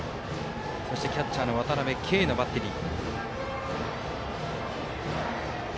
そして、キャッチャーの渡辺憩のバッテリー。